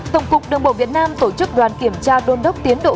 tổng cục đường bộ việt nam tổ chức đoàn kiểm tra đôn đốc tiến độ